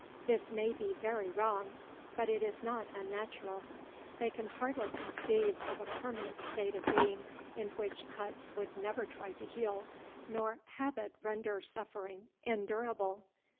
This may be very wrong; but it is not unnatural. "They can hardly conceive of a permanent state of being in which cuts would never try to heal, nor habit render suffering endurable.